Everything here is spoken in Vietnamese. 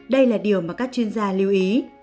đây là điều mà các chuyên gia lưu ý